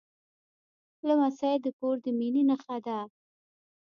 لمسی د کور د مینې نښه ده.